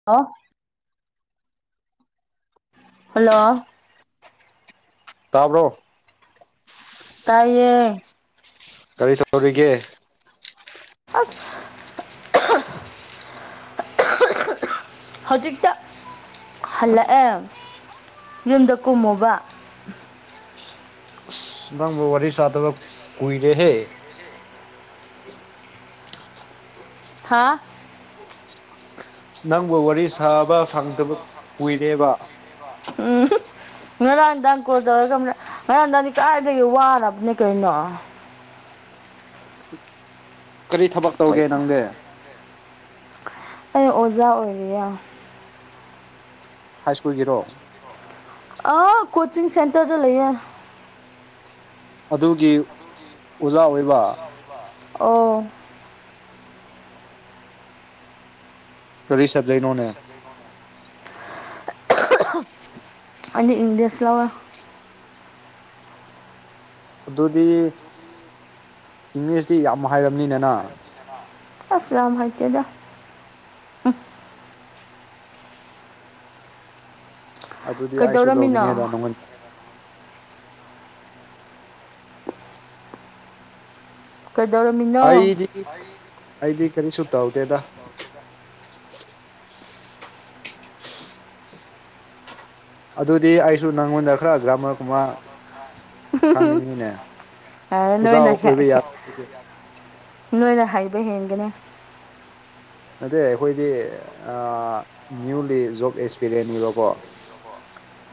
[unintelligible] Hello ꯇꯥꯕ꯭ꯔꯣ ꯇꯥꯏꯌꯦ ꯀꯔꯤ ꯇꯧꯔꯤꯒꯦ ꯑꯁ ꯍꯧꯖꯤꯛꯇ ꯍꯜꯂꯛꯑꯦ ꯌꯨꯝꯗ ꯀꯨꯝꯃꯨꯕ ꯅꯪꯕꯨ ꯋꯥꯔꯤ ꯁꯥꯗꯕ ꯀꯨꯏꯔꯦ ꯍꯦ ꯍꯥꯥ ꯅꯪꯕꯨ ꯋꯥꯔꯤ ꯁꯥꯕ ꯐꯪꯗꯕ ꯀꯨꯏꯔꯦꯕ ꯎꯝ ꯉꯔꯥꯡꯗꯥ ꯀꯣꯜ ꯇꯧꯔꯒ ꯉꯔꯥꯡꯗꯥꯗꯤ ꯀꯗꯥꯏꯗꯒꯤ ꯋꯥꯔꯕꯅꯦ ꯀꯩꯅꯣ ꯀꯔꯤ ꯊꯕꯛ ꯇꯧꯒꯦ ꯑꯩ ꯅꯪꯗꯦ ꯑꯩ ꯑꯣꯖꯥ ꯑꯣꯏꯔꯤꯌꯥ ꯍꯥꯏ ꯁ꯭ꯀꯨꯜꯒꯤꯔꯣ ꯑꯥ ꯀꯣꯆꯤꯡ ꯁꯦꯟꯇꯔꯗ ꯂꯩꯌꯦ ꯑꯗꯨꯒꯤ ꯑꯣꯖꯥ ꯑꯣꯏꯕ ꯑꯣ ꯀꯂꯤ ꯁꯠ ꯂꯩꯦ ꯅꯣꯅꯦ ꯑꯅꯤ ꯏꯪꯂꯤꯁ ꯂ ꯑꯗꯨꯗꯤ ꯏꯪꯂꯤꯁꯇꯤ ꯌꯥꯝ ꯍꯥꯏꯔꯕꯅꯤꯅꯅ ꯑꯁꯂꯝ ꯍꯥꯏꯠꯇꯗ ꯑꯗꯨꯗꯤ ꯑꯩꯁꯨ ꯀꯩꯗꯧꯔꯝꯃꯤꯅꯣ ꯂꯧꯅꯤꯡꯉꯦꯗ ꯅꯉꯣꯟ ꯀꯩꯗꯧꯔꯝꯃꯤ ꯑꯩꯗꯤ ꯑꯩꯗꯤ ꯀꯔꯤꯁꯨ ꯇꯧꯗꯦꯗ ꯑꯗꯨꯗꯤ ꯑꯩꯁꯨ ꯅꯪꯉꯣꯟꯗ ꯈꯔ ꯒ꯭ꯔꯥꯃꯔ ꯀꯨꯝꯃ ꯈꯪꯅꯤꯡꯉꯤꯅꯦ ꯍꯥꯏꯔ ꯑꯣꯖꯥ ꯅꯣꯏꯅ ꯑꯣꯏꯕ ꯌꯥꯔ ꯅꯣꯏꯅ ꯍꯩꯕ ꯍꯦꯟꯒꯅꯤ ꯑꯗꯨꯗ ꯑꯩꯈꯣꯏꯗꯤ ꯅ꯭ꯌꯨꯂꯤ ꯖꯣꯕ ꯑꯦꯛꯁꯄꯤꯔꯤꯌꯦꯦꯟꯅꯤꯕꯀꯣ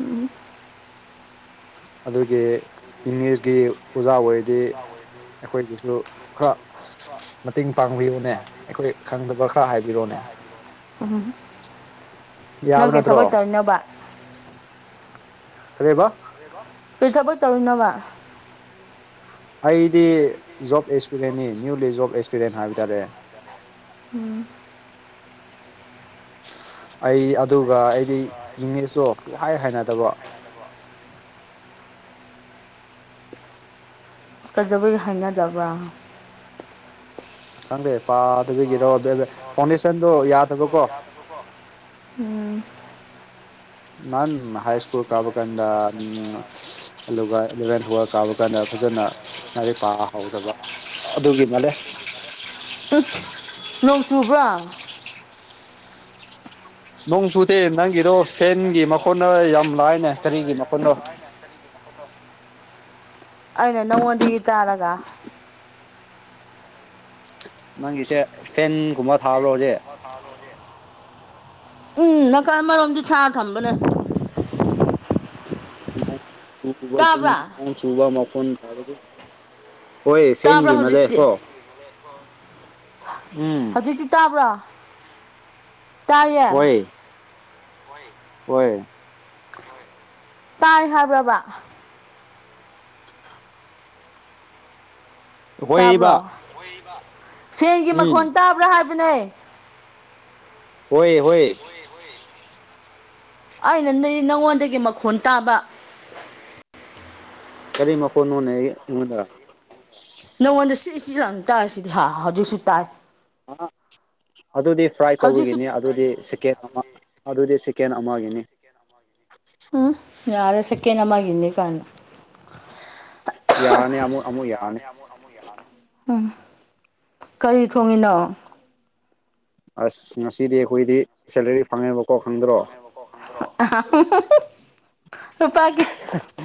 ꯎꯝ ꯑꯗꯨꯒꯤ ꯏꯪꯂꯤꯁꯀꯤ ꯑꯣꯖꯥ ꯑꯣꯏꯔꯗꯤ ꯑꯩꯈꯣꯏꯒꯤꯁꯨ ꯈꯔ ꯃꯇꯦꯡ ꯄꯥꯡꯕꯤꯌꯨꯅꯦ ꯑꯩꯈꯣꯏ ꯈꯪꯗꯕ ꯈꯔ ꯍꯥꯏꯕꯤꯔꯣꯅꯦ ꯎꯝ ꯅꯪ ꯌꯥꯕ ꯀꯩ ꯅꯠꯇ꯭ꯔꯣ ꯊꯕꯛ ꯇꯧꯔꯤꯅꯣꯕ ꯀꯔꯤꯕ ꯀꯩ ꯊꯕꯛ ꯇꯧꯔꯤꯕ ꯑꯩꯗꯤ ꯖꯣꯕ ꯑꯦꯛꯁꯄꯤꯔꯦꯟꯅꯤ ꯅ꯭ꯌꯨꯂꯤ ꯖꯣꯕ ꯑꯦꯛꯁꯄꯤꯔꯦꯟ ꯍꯥꯏꯕ ꯇꯥꯔꯦ ꯎꯝ ꯑꯩ ꯑꯗꯨꯒ ꯑꯩꯗꯤ ꯏꯪꯉꯤꯁꯇꯣ ꯄꯍꯥꯏ ꯍꯥꯏꯅꯗꯕ ꯀꯖꯕꯩ ꯍꯥꯏꯅꯗꯕ꯭ꯔꯥ ꯈꯪꯗꯦ ꯄꯥꯗꯕꯤꯒꯤꯔꯣ ꯑꯗꯨ ꯑꯗ ꯐꯥꯎꯟꯗꯦꯁꯟꯗꯣ ꯌꯥꯗꯕꯀꯣ ꯎꯝ ꯅꯥꯟ ꯍꯩ ꯁꯀꯨꯜ ꯀꯕ ꯀꯗ ꯑꯗꯨꯒ ꯑꯦꯂꯚꯦꯟ ꯍꯨꯋꯦꯜꯕ ꯀꯥꯕ ꯀꯥꯟꯗ ꯐꯖꯅ ꯂꯥꯏꯔꯤꯛ ꯄꯥ ꯍꯧꯥꯎꯗꯕ ꯑꯗꯨꯒꯤ ꯃꯥꯂꯦ ꯎꯝ ꯅꯣꯡ ꯆꯨꯕ꯭ꯔꯥ ꯅꯣꯡ ꯆꯨꯗꯦ ꯅꯪꯒꯤꯗꯣ ꯐꯦꯟꯒꯤ ꯃꯈꯣꯟꯅ ꯌꯥꯝ ꯂꯥꯏꯅꯦ ꯀꯔꯤꯒꯤ ꯃꯈꯣꯟꯅꯣ ꯑꯩꯅ ꯅꯉꯣꯟꯗꯒꯤ ꯇꯥꯔꯒ [unintelligible] ꯅꯪꯒꯤꯁꯦ ꯐꯦꯟꯒꯨꯝꯕ ꯊꯥꯕ꯭ꯔꯣ ꯍꯧꯖꯤꯛ ꯊꯥꯖꯦ ꯎꯝ ꯅꯥꯀꯜ ꯑꯃꯔꯣꯝꯗꯤ ꯁꯥ ꯊꯝꯕꯅꯦ ꯨꯝꯨꯕ ꯇꯥꯕ꯭ꯔꯥ ꯃꯣꯟ ꯍꯣꯏ ꯇꯥꯕ꯭ꯔꯥ ꯁꯦꯟꯒꯤ ꯃ ꯂꯩ ꯍꯧꯖꯤꯛꯇꯤ ꯀꯣ ꯎꯝ ꯤ ꯇꯥꯕ꯭ꯔꯣ ꯇꯥꯏꯌꯦ ꯍꯣꯏꯦ ꯇꯥꯏ ꯍꯥꯏꯕ꯭ꯔꯕ [unintelligible] ꯇꯥꯕ꯭ꯔꯣ ꯍꯣꯏꯕ ꯁꯦꯟꯒꯤ ꯃꯈꯣꯟ ꯎꯝ ꯇꯥꯕ꯭ꯔꯥ ꯍꯥꯏꯕꯅꯦ ꯍꯣꯏ ꯍꯣꯏ ꯑꯩꯅ ꯅꯣꯏ ꯅꯪꯉꯣꯟꯗꯒꯤ ꯃꯈꯣꯟ ꯇꯥꯕ ꯀꯔꯤ ꯃꯈꯣꯟꯅꯣꯅꯦ ꯑꯩ ꯑꯩꯉꯣꯟꯗ ꯅꯪꯉꯣꯟꯗ ꯁꯤ ꯏꯆꯤ ꯂꯪ ꯇꯥꯔꯁꯤꯗꯤ ꯍꯥ ꯍꯧꯖꯤꯛꯁꯨ ꯇꯥꯏ ꯑꯗꯨꯗꯤ ꯐ꯭ꯔꯥꯏ ꯍꯧꯖꯤꯛꯁꯨ ꯇꯧꯕꯤꯒꯤꯅꯤ ꯑꯗꯨꯗꯤ ꯆꯤꯛꯀꯦꯟ ꯑꯗꯨꯗꯤ ꯁꯦꯀꯦꯟ ꯑꯃꯒꯤꯅꯤ ꯍ ꯎꯝ ꯌꯥꯔꯦ ꯁꯦꯀꯦꯟ ꯑꯃꯒꯤꯅꯤ ꯀꯥꯏꯅ ꯌꯥꯔꯅꯤ ꯑꯃꯨ ꯑꯃꯨꯛ ꯌꯥꯔꯅꯤ [unintelligible] ꯎꯝ ꯀꯔꯤ ꯊꯣꯡꯉꯤꯅꯣ ꯑꯁ ꯉꯁꯤꯗꯤ ꯑꯩꯈꯣꯏꯗꯤ ꯁꯦꯂꯔꯤ ꯐꯪꯉꯦꯕꯀꯣ ꯈꯪꯗ꯭ꯔꯣ [unintelligible] ꯂꯨꯄꯥ ꯀꯌꯥ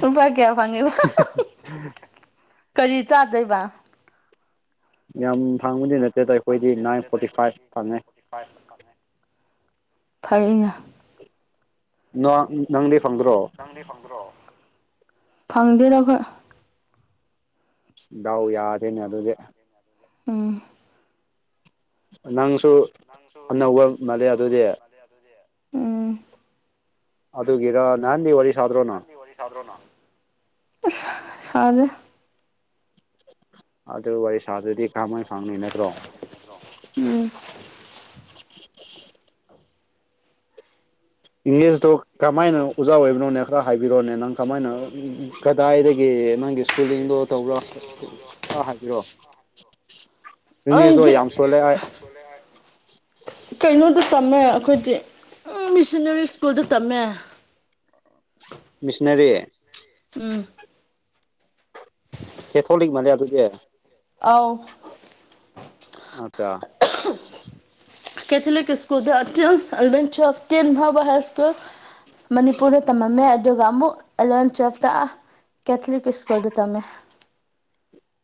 ꯂꯨꯄꯥ ꯀꯌꯥ ꯐꯪꯉꯤꯕ ꯀꯔꯤ ꯆꯥꯗꯣꯏꯕ ꯌꯥꯝ ꯐꯪꯕꯗꯤ ꯅꯠꯇꯦꯗ ꯑꯩꯈꯣꯏꯗꯤ ꯅꯥꯏꯟ ꯐꯣꯔꯇꯤ ꯐꯥꯏꯚ ꯐꯪꯉꯦ ꯐꯥꯏꯚ ꯐꯪꯉꯦ ꯐꯩꯅꯦ ꯅꯣ ꯅꯪꯗꯤ ꯐꯪꯗ꯭ꯔꯣ ꯅꯪꯗꯤ ꯐꯪꯗ꯭ꯔꯣ ꯐꯪꯗꯦꯗ ꯑꯩꯈꯣꯏ ꯗꯥꯎ ꯌꯥꯗꯦꯅꯦ ꯑꯗꯨꯗꯤ ꯎꯝ ꯅꯪꯁꯨ ꯅꯪꯁꯨ ꯑꯅꯧꯕ ꯃꯥꯜꯂꯦ ꯑꯅꯧꯕ ꯑꯗꯨꯗꯤ ꯃꯥꯂꯦ ꯑꯗꯨꯗꯤ ꯑꯗꯨꯒꯤꯔꯣ ꯅꯍꯥꯟꯗꯩ ꯋꯥꯔꯤ ꯁꯥꯗ꯭ꯔꯣ ꯅꯪ ꯁꯥꯗ꯭ꯔꯣ ꯅꯪ ꯁꯥꯗꯦ ꯑꯗꯨ ꯋꯥꯔꯤ ꯁꯥꯗꯔꯗꯤ ꯀꯔꯝꯃꯥꯏꯟ ꯐꯪꯅꯤ ꯅꯠꯇ꯭ꯔꯣ ꯎꯝ [unintelligible] ꯀꯃꯥꯏꯅ ꯑꯣꯖꯥ ꯑꯣꯏꯕꯅꯣꯅꯦ ꯈꯔ ꯍꯥꯏꯕꯤꯔꯣꯅꯦ ꯅꯪ ꯀꯃꯥꯏꯅ ꯀꯗꯥꯏꯗꯒꯤ ꯅꯪꯒꯤ ꯁ꯭ꯀꯨꯂꯤꯡꯗꯣ ꯇꯧꯕꯔꯥ ꯈꯔ ꯍꯥꯏꯕꯤꯔꯛꯑꯣ ꯁꯣꯜꯂꯦ [unintelligible] ꯀꯩꯅꯣꯗ ꯇꯝꯃꯦ ꯑꯈꯣꯏꯗꯤ ꯎꯝ ꯃꯤꯁꯟꯅꯔꯤ ꯁ꯭ꯀꯨꯜꯗ ꯇꯝꯃꯦ ꯃꯤꯁꯟꯅꯔꯤ ꯎꯝ ꯀꯦꯊꯣꯂꯤꯛ ꯃꯥꯜꯂꯦ ꯑꯗꯨꯗꯤ ꯑꯧ ꯑꯆꯥ ꯀꯦꯊꯂꯤꯛ ꯁ꯭ꯀꯨꯜꯗꯣ ꯇꯦꯜ ꯑꯦꯂꯚꯦꯟ ꯇꯨꯋꯦꯜꯐ ꯇꯦꯟ ꯐꯥꯎꯕ ꯍꯥꯏ ꯁꯀꯨꯜ ꯃꯅꯤꯄꯨꯔꯗ ꯇꯝꯃꯝꯃꯦ ꯑꯗꯨꯒ ꯑꯃꯨꯛ ꯑꯦꯂꯚꯦꯟ ꯇꯨꯋꯦꯜꯐꯇ ꯑ ꯀꯦꯊꯂꯤꯛ ꯁ꯭ꯀꯨꯜꯗ ꯇꯝꯃꯦ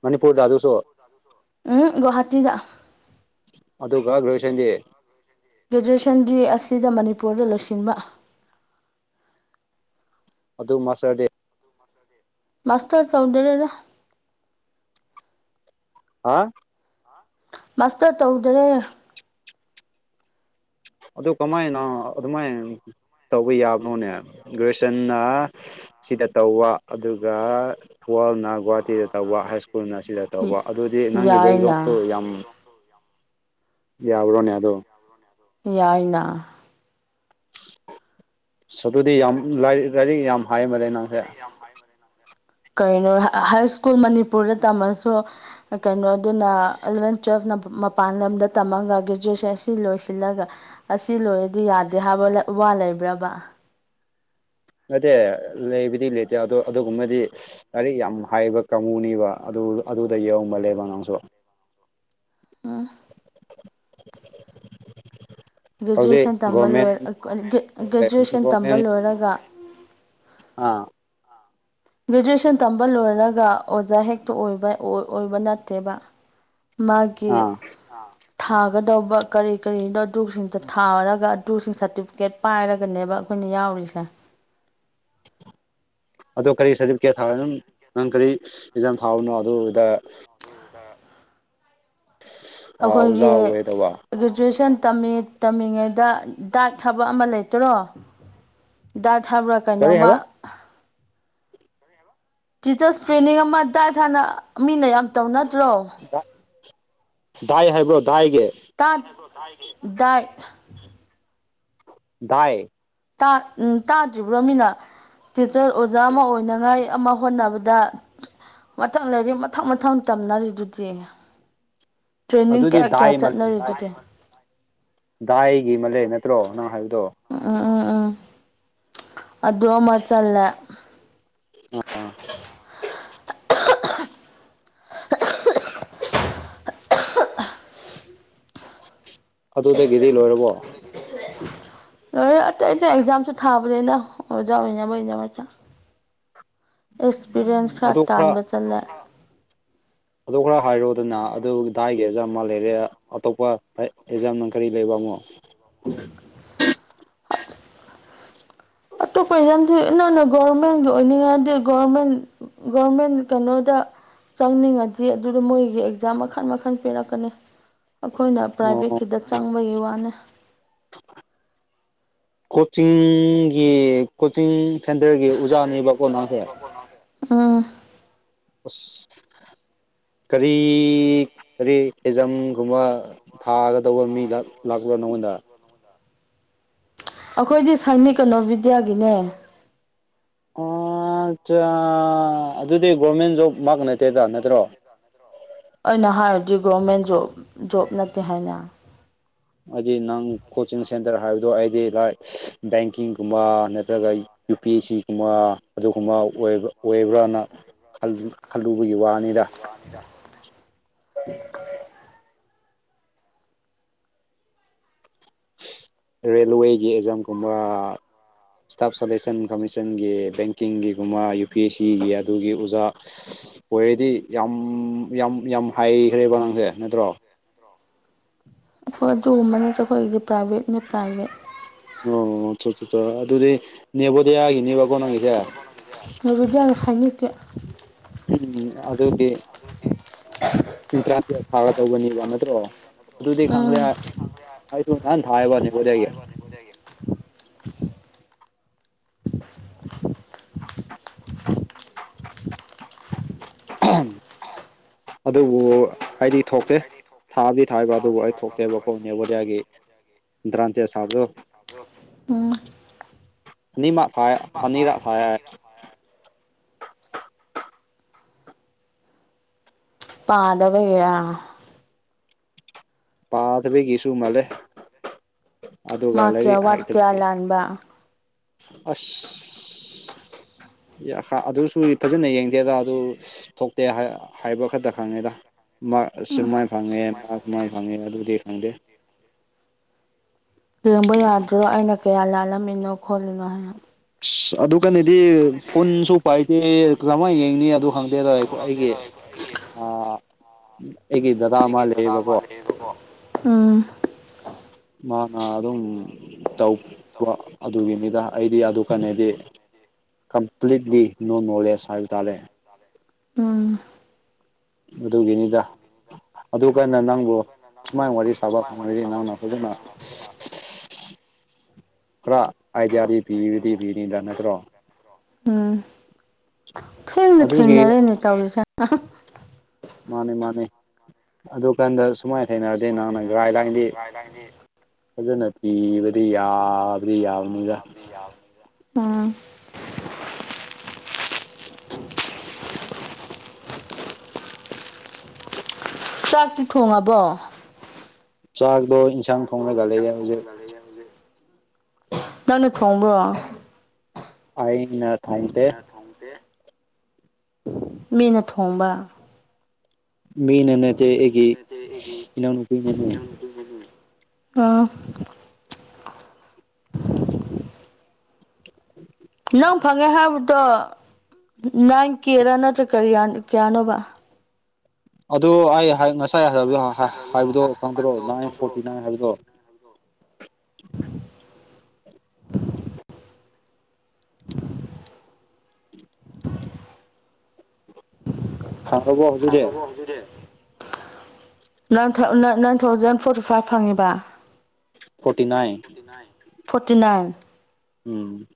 ꯃꯅꯤꯄꯨꯔꯗ ꯑꯗꯨꯁꯨ ꯑꯗꯨꯁꯨ [unintelligible] ꯎꯝꯍꯨꯝ ꯒꯨꯋꯥꯍꯥꯇꯤꯗ ꯑꯗꯨꯒ ꯒꯔꯦꯖꯨꯑꯁꯟꯗꯤ ꯒ꯭ꯔꯦꯖꯨꯌꯦꯁꯟꯒꯤ ꯑꯁꯤꯗ ꯃꯅꯤꯄꯨꯔꯗ ꯂꯣꯏꯁꯤꯟꯕ ꯑꯗꯨ ꯃꯥꯁꯇꯔꯗꯤ ꯃꯥꯁꯇꯔ ꯇꯧꯗꯔꯦꯗ ꯍꯥ ꯃꯥꯁꯇꯔ ꯇꯧꯗꯔꯦ ꯑꯗꯨ ꯀꯃꯥꯏꯅ ꯑꯗꯨꯃꯥꯏꯅ ꯇꯧꯕ ꯌꯥꯕꯔꯣꯅꯦ ꯒ꯭ꯔꯦꯖꯨꯌꯦꯁꯟꯅ ꯁꯤꯗ ꯇꯧꯕ ꯑꯗꯨꯒ ꯊꯋꯥꯜ ꯒꯨꯍꯥꯇꯤꯗ ꯇꯧꯕ ꯍꯥꯏ ꯁ꯭ꯀꯨꯜꯅ ꯑꯁꯤꯗ ꯇꯧꯕ ꯑꯗꯨꯗꯤ ꯅꯪꯒꯤ ꯕꯦꯛꯒ꯭ꯔꯥꯎꯟꯗꯨ ꯌꯥꯏꯅ ꯌꯥꯝ ꯌꯥꯕ꯭ꯔꯣꯅꯦ ꯑꯗꯨ ꯌꯥꯏꯅ ꯑꯁ ꯑꯗꯨꯗꯤ ꯌꯥꯝ ꯂꯥꯏꯔꯤꯛ ꯔꯥꯏꯔꯤꯛ ꯌꯥꯝ ꯍꯥꯏ ꯃꯥꯜꯂꯦ ꯅꯪꯁꯦ ꯀꯔꯤꯅꯣ ꯍꯥꯏ ꯁ꯭ꯀꯨꯜ ꯃꯅꯤꯄꯨꯔꯗ ꯇꯝꯃꯁꯨ ꯀꯩꯅꯣꯗꯨꯅ ꯑꯦꯂꯕꯦꯟ ꯇꯨꯋꯦꯜꯐ ꯅ ꯃ ꯄꯥꯟ ꯂꯝꯗ ꯇꯝꯃꯒ ꯒ꯭ꯔꯦꯖꯨꯑꯦꯁꯟ ꯑꯁꯤ ꯂꯣꯏꯁꯤꯜꯂꯒ ꯑꯁꯤ ꯂꯣꯏꯔꯗꯤ ꯌꯥꯗꯦ ꯍꯥꯏꯕ ꯋꯥ ꯂꯩꯕ꯭ꯔꯕ ꯅꯠꯇꯦ ꯂꯩꯕꯗꯤ ꯂꯩꯇꯦ ꯑꯗꯣ ꯑꯗꯨꯒꯨꯝꯃꯗꯤ ꯂꯔꯤꯛ ꯌꯥꯝ ꯍꯥꯏꯕ ꯀꯥꯡꯉꯨꯅꯤꯕ ꯑꯗꯨ ꯑꯗꯨꯗ ꯌꯧꯕꯜꯂꯦꯕ ꯅꯥꯡꯁꯨ ꯑꯥ ꯍꯧꯖꯤꯛ ꯒ꯭ꯔꯦꯖꯨꯌꯦꯁꯟ ꯇꯝꯕ ꯒꯣꯔꯃꯦꯟ ꯂꯣꯏꯔꯥꯑꯒ ꯒ꯭ꯔꯦꯖꯨꯦꯁꯟ ꯇꯝꯕ ꯒꯣꯔꯃꯦꯟ ꯂꯣꯏꯔꯒ ꯑꯥ ꯒ꯭ꯔꯦꯖꯨꯑꯦꯁꯟ ꯇꯝꯕ ꯂꯣꯏꯔꯒ ꯑꯣꯖꯥ ꯍꯦꯛꯇ ꯑꯣꯏꯕ ꯑꯣꯏꯕ ꯅꯠꯇꯦꯕ ꯃꯥꯒꯤ ꯑꯥ ꯊꯥꯒꯗꯧꯕ ꯀꯔꯤ ꯀꯔꯤꯅꯣ ꯑꯗꯨꯁꯤꯡꯗꯣ ꯊꯥꯔꯒ ꯑꯗꯨꯁꯤꯡ ꯁꯥꯔꯇꯤꯐꯤꯀꯦꯠ ꯄꯥꯏꯔꯒꯅꯦꯕ ꯑꯩꯈꯣꯏꯅ ꯌꯥꯎꯔꯤꯁꯦ ꯑꯗꯣ ꯀꯔꯤ ꯁꯥꯔꯇꯤꯐꯤꯀꯦꯠ ꯊꯥꯕꯪ ꯅꯪ-ꯅꯪ ꯀꯔꯤ ꯑꯦꯛꯖꯥꯝ ꯊꯥꯕꯅꯣ ꯑꯗꯨꯗ inaudible [inaudible] ꯑꯩꯈꯣꯏꯒꯤ ꯒ꯭ꯔꯦꯖꯨꯦꯁꯟ ꯇꯝꯃꯤ-ꯇꯝꯃꯤꯉꯩꯗ ꯗꯥꯏꯠ ꯍꯥꯏꯕ ꯑꯃ ꯂꯩꯇꯔꯣ ꯗꯥꯏꯠ ꯍꯥꯏꯕ꯭ꯔꯥ ꯀꯔꯤ ꯀꯩꯅꯣꯃ ꯍꯥꯏꯕ ꯇꯤꯆꯔꯁ ꯇ꯭ꯔꯦꯅꯤꯡ ꯑꯃ ꯗꯥꯏꯠ ꯍꯥꯏꯅ ꯑ ꯃꯤꯅ ꯌꯥꯝ ꯇꯧꯅꯗꯔꯣ ꯗꯥꯏ ꯍꯥꯏꯕ꯭ꯔꯣ ꯗꯥꯏꯒꯤ ꯇꯥ ꯗꯥꯏꯠ ꯗꯥꯏ ꯇꯥ ꯎꯝ ꯇꯥꯗ꯭ꯔꯤꯕ꯭ꯔꯣ ꯃꯤꯅ ꯇꯤꯆꯔ ꯑꯣꯖꯥ ꯑꯃ ꯑꯣꯏꯅꯉꯥꯏ ꯑꯃ ꯍꯣꯠꯅꯕꯗ ꯃꯊꯪ ꯂꯩꯔꯤꯛ ꯃꯊꯪ ꯃꯊꯪ ꯇꯝꯅꯔꯤꯗꯨꯗꯤ ꯇ꯭ꯔꯦꯅꯤꯡ ꯑꯗꯨꯗꯤ ꯀꯌꯥ ꯀꯌꯥ ꯗꯥꯏ ꯃꯂꯩ ꯆꯠꯅꯔꯤ ꯗꯥꯏ ꯗꯨꯗꯤ ꯗꯥꯏꯒꯤ ꯃꯂꯦ ꯅꯠꯇ꯭ꯔꯣ ꯅꯪ ꯍꯥꯏꯕꯗꯣ ꯎꯝ ꯎꯝ ꯎꯝ ꯑꯗꯨ ꯑꯃ ꯆꯜꯂꯦ ꯑꯥ ꯑꯥ ꯑꯗꯨꯗꯒꯤꯗꯤ ꯂꯣꯏꯔꯕꯣ ꯂꯣꯏꯣꯏ ꯑꯇꯩ ꯑꯇꯩ ꯑꯦꯛꯖꯥꯝꯁꯨ ꯊꯥꯕꯅꯤꯅ ꯑꯣꯖꯥ ꯑꯣꯏꯅꯕꯩ ꯗꯃꯛꯠ ꯑꯦꯛꯁꯄꯤꯔꯤꯌꯦꯟꯁ ꯈꯔ ꯇꯥꯟꯕ ꯆꯠꯂꯦ ꯑꯗꯨ ꯈꯔ ꯍꯥꯏꯔꯣꯗꯅ ꯑꯗꯨ ꯗꯥꯏꯒꯤꯖꯥꯝ ꯃꯥ ꯂꯦꯔꯤꯌꯥ ꯑꯇꯣꯞꯄ ꯑꯦꯛꯖꯥꯝꯅ ꯀꯔꯤ ꯂꯩꯕꯟꯃꯨꯛ inaudible ꯑꯇꯣꯞꯄ ꯑꯦꯛꯖꯥꯝꯗꯤ ꯅꯪꯅ ꯒꯣꯕꯔꯃꯦꯟꯒꯤ ꯑꯣꯏꯅꯤꯡꯉꯗꯤ ꯒꯣꯕꯔꯃꯦꯟ ꯒꯣꯔꯃꯦꯟ ꯀꯩꯅꯣꯗ ꯆꯪꯅꯤꯡꯉꯗꯤ ꯑꯗꯨꯗ ꯃꯣꯏꯒꯤ ꯑꯦꯛꯖꯥꯝ ꯃꯈꯟ ꯃꯈꯜ ꯄꯤꯔꯛꯀꯅꯤ ꯑꯩꯈꯣꯏꯅ ꯑꯣ ꯄ꯭ꯔꯥꯏꯚꯦꯠꯀꯤꯗ ꯆꯪꯕꯒꯩ ꯋꯥꯅꯦ ꯀꯣꯆꯤꯡꯒꯤ ꯀꯣꯆꯤꯡ ꯁꯦꯟꯇꯔꯒꯤ ꯑꯣꯖꯥꯅꯦꯕꯀꯣ ꯅꯪꯁꯦ ꯑꯥ ꯀꯔꯤ ꯀꯔꯤ ꯑꯦꯖꯝꯒꯨꯝꯕ ꯊꯥꯒꯗꯧꯕ ꯃꯤ ꯂꯥꯛ-ꯂꯥꯛꯄ꯭ꯔꯣ ꯅꯉꯣꯟꯗ ꯑꯩꯈꯣꯏꯗꯤ ꯁꯥꯏꯅꯤ ꯀꯩꯅꯣ ꯕꯤꯗ꯭ꯌꯥꯒꯤꯅꯦ ꯑꯣ ꯑꯠꯆꯥ ꯑꯗꯨꯗꯤ ꯒꯣꯔꯃꯦꯟ ꯖꯣꯕꯃꯛ ꯅꯠꯇꯦꯗ ꯅꯠꯇ꯭ꯔꯣ inaudible ꯑꯩꯅ ꯍꯥꯏꯔꯗꯤ ꯒꯣꯔꯃꯦꯟ ꯖꯣꯕ ꯖꯣꯕ ꯅꯠꯇꯦ ꯍꯥꯏꯅ ꯍꯥꯏꯗꯤ ꯅꯪ ꯀꯣꯆꯤꯡ ꯁꯦꯟꯇꯔ ꯍꯥꯏꯕꯗꯣ ꯑꯩꯗꯤ ꯂꯥꯏ ꯕꯦꯡꯀꯤꯡꯒꯨꯝꯕ ꯅꯠꯇ꯭ꯔꯒ ꯌꯨ ꯄꯤ ꯑꯦꯁ ꯁꯤꯒꯨꯝꯕ ꯑꯗꯨꯒꯨꯝꯕ ꯑꯣꯏꯕ ꯑꯣꯏꯕ꯭ꯔꯅ ꯈꯜꯂꯨ-ꯈꯜꯂꯨꯕꯒꯤ ꯋꯥꯅꯦꯗ ꯄꯥꯅꯤꯗ ꯔꯦꯜꯋꯦꯒꯤ ꯑꯦꯛꯖꯥꯝꯒꯨꯝꯕ ꯏꯁꯇꯥꯞ ꯁꯂꯦꯛꯁꯟ ꯀꯃꯤꯁꯟꯒꯤ ꯕꯦꯡꯀꯤꯡꯒꯤꯒꯨꯝꯕ ꯌꯨ ꯄꯤ ꯑꯦꯁ ꯁꯤꯒꯤ ꯑꯗꯨꯒꯤ ꯑꯣꯖꯥ ꯎꯝ ꯑꯣꯏꯔꯗꯤ ꯌꯥꯝ ꯌꯥꯝ ꯌꯥꯝ ꯍꯩꯒꯔ꯭ꯦꯕ ꯅꯪꯁꯦ ꯅꯠꯇ꯭ꯔꯣ ꯑꯩꯈꯣꯏ ꯑꯗꯨꯒꯨꯝꯕ ꯅꯠꯇꯦ ꯑꯩꯈꯣꯏꯒꯤꯗꯤ ꯄ꯭ꯔꯥꯏꯚꯦꯠꯅꯤ ꯄ꯭ꯔꯥꯏꯚꯦꯠ ꯑꯣ ꯆꯠ ꯆꯠ ꯆꯠ ꯑꯗꯨꯗꯤ ꯅꯦꯕꯣꯗꯤꯌꯥꯒꯤꯅꯦꯕꯀꯣ ꯅꯣꯏꯒꯤꯁꯦ ꯅꯦꯕꯣꯗꯤꯌꯥꯒ ꯁꯥꯏꯅꯤꯛ ꯀꯥ ꯎꯝ ꯑꯗꯨꯗꯤ ꯑꯦꯟꯇꯔꯥꯟꯁ ꯇꯦꯁꯇ ꯊꯥꯒꯥꯗꯧꯅꯦꯕ ꯅꯠꯇ꯭ꯔꯣ ꯑꯗꯨꯗꯤ ꯎꯝ ꯈꯪꯈ꯭ꯔꯦ ꯍꯥꯏ ꯑꯩꯁꯨ ꯅꯍꯥꯟ ꯊꯥꯌꯦꯕꯥ ꯅꯦꯕꯣꯗꯤꯌꯥꯒꯤ ꯑꯍꯥꯝ ꯑꯗꯨꯕꯨ ꯑꯩꯗꯤ ꯊꯣꯛꯇꯦ ꯊꯥꯕꯗꯤ ꯊꯥꯌꯦꯕ ꯑꯗꯨꯕꯨ ꯑꯩ ꯊꯣꯛꯇꯦꯕꯀꯣꯅꯦ ꯅꯦꯕꯣꯗꯤꯌꯥꯒꯤ ꯗ꯭ꯔꯥꯟꯇꯦꯖ ꯊꯥꯕꯗꯣ ꯎꯝ [inaudible] ꯑꯅꯤꯃꯛ ꯊꯥꯏꯌꯦ ꯑꯅꯤꯔꯛ ꯊꯥꯏꯌꯦ ꯄꯥꯗꯕꯒꯤꯔꯥ ꯄꯥꯗꯕꯒꯤꯁꯨ ꯃꯥꯜꯂꯦ ꯑꯗꯨꯒ ꯂꯥꯏꯔꯤꯛ ꯍꯩꯇꯕꯤꯒꯤ ꯇꯥꯟꯕ ꯑꯁ ꯌꯥ ꯍꯥ ꯑꯗꯨꯁꯨ ꯐꯖꯅ ꯌꯦꯡꯗꯦꯗ ꯑꯗꯨ ꯊꯣꯛꯇꯦ ꯍꯥꯏꯕ ꯈꯛꯇ ꯈꯪꯉꯦꯗ ꯃꯥꯛ ꯁꯨꯃꯥꯏꯅ ꯐꯪꯉꯦ ꯃꯥꯁꯨ ꯃꯥꯏꯅ ꯐꯪꯉꯦ ꯑꯗꯨꯗꯤ ꯈꯪꯗꯦ ꯌꯦꯡꯕ ꯌꯥꯗ꯭ꯔꯣ ꯑꯩꯅ ꯀꯌꯥ ꯂꯥꯜꯂꯝꯃꯤꯅꯣ ꯈꯣꯠꯂꯤꯅꯣ ꯍꯥꯏꯅ ꯑꯁ ꯑꯗꯨꯒꯅꯤꯗꯤ ꯐꯨꯟꯁꯨ ꯄꯥꯏꯗꯦ ꯀꯝꯃꯥꯏꯅ ꯌꯦꯡꯅꯤ ꯑꯗꯨ ꯈꯪꯗꯦꯗ ꯑꯩꯈꯣꯏ ꯑꯩꯒꯤ ꯑꯣ ꯑꯩꯒꯤꯗꯨꯕꯨ ꯊꯥ ꯑꯩꯒꯤ ꯗꯥꯗ ꯑꯩꯒꯤ ꯗꯥꯗꯥ ꯑꯃꯥ ꯂꯩ ꯌꯦꯕꯥꯀꯣꯎꯝ ꯃꯥꯅ ꯑꯗꯨꯝ ꯇꯧꯕ ꯑꯗꯨꯒꯤ ꯃꯤꯗ ꯑꯩꯗꯤ ꯑꯗꯨ ꯀꯩꯅꯦꯗꯤ ꯀꯝꯄ꯭ꯂꯤꯠꯂꯤ ꯅꯣ ꯅꯣꯂꯦꯖ ꯍꯥꯏꯕ ꯇꯥꯔꯦ ꯎꯝ ꯑꯗꯨꯒꯤꯅꯤꯗ ꯑꯗꯨꯒꯅꯥ ꯅꯪꯕꯨ ꯁꯨꯃꯥꯏꯅ ꯋꯥꯔꯤ ꯁꯥꯕ ꯐꯪꯉꯗꯤ ꯅꯪꯅ ꯐꯖꯅ ꯈꯔ ꯑꯥꯏꯗꯤꯌꯥꯗꯤ ꯄꯤꯕꯗꯤ ꯄꯤꯅꯤꯗ꯭ꯔꯥ ꯅꯠꯇ꯭ꯔꯣ ꯎꯝ ꯊꯦꯡꯅ ꯑꯗꯨꯒꯤ ꯊꯦꯡꯅꯔꯦꯅꯦ ꯇꯧꯔꯤꯁꯦ ꯑꯍꯥ ꯃꯥꯅꯦ ꯃꯥꯅꯦ ꯑꯗꯨ ꯀꯥꯟꯗ ꯗꯨꯀꯥꯟꯗ ꯁꯨꯃꯥꯏꯅ ꯂꯩꯅꯗ ꯅꯍꯜꯅꯥ ꯅꯨꯡꯥꯉꯏꯅꯤ ꯐꯖꯅ ꯄꯤꯔꯗꯤ ꯌꯥꯕꯗꯤ ꯌꯥꯕꯅꯤꯗꯥ ꯎꯝ ꯖꯤꯞ ꯖꯤꯞ inaudible ꯆꯥꯛꯇꯤ ꯊꯣꯡꯉꯕꯣ ꯆꯥꯛꯗꯣ ꯏꯟꯁꯥꯡ ꯊꯣꯡꯉꯒ ꯂꯩꯌꯦ ꯍꯧꯖꯤꯛ ꯅꯪꯅ ꯊꯣꯡꯕꯔꯣ꯫ ꯑꯩꯅ ꯊꯣꯡꯗꯦ ꯑꯩꯅꯥ ꯊꯣꯡꯗꯦ ꯃꯤꯅ ꯊꯣꯡꯕ ꯃꯤꯅ ꯅꯠꯇꯦ ꯑꯩꯒꯤ ꯏꯅꯥꯎꯅꯨꯄꯤꯅꯅꯦ ꯎꯝ ꯎꯝ ꯑꯥ [unintelligible] ꯅꯪ ꯐꯪꯉꯦ ꯍꯥꯏꯕꯗꯣ ꯅꯥꯏꯟ ꯀꯦꯔꯥ ꯅꯠꯇ꯭ꯔꯒ ꯀꯔꯤ ꯀꯌꯥꯅꯣꯕ ꯑꯗꯨ ꯑꯩ ꯍꯥꯏ ꯉꯁꯥꯏ ꯍꯥꯏꯕꯗꯣ ꯍꯥꯏꯕꯗꯣ ꯈꯪꯗ꯭ꯔꯣ ꯅꯥꯏꯟ ꯐꯣꯔꯇꯤ ꯅꯥꯏꯟ ꯍꯥꯏꯕꯗꯣ ꯈꯡꯉꯥꯕꯣ ꯍꯧꯖꯤꯛ ꯈꯡꯉꯥꯕꯣ ꯍꯧꯖꯤꯛꯗꯤ ꯅꯥꯏꯟ ꯊꯥꯎꯁꯖꯟꯗ ꯐꯣꯔꯇꯤ ꯐꯥꯏꯚ ꯐꯪꯉꯦꯕꯥ ꯐꯣꯔꯇꯤ ꯅꯥꯏꯟ ꯐꯣꯔꯇꯤ ꯅꯥꯏꯟ ꯎꯝ